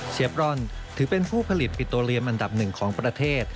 เชฟรอนถือเป็นผู้ผลิตปิโตเรียมอันดับหนึ่งของประเทศ